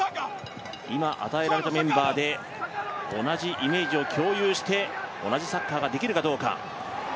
今、与えられたメンバーで同じイメージを共有して同じサッカーができるかどうか。